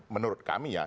menurut kami ya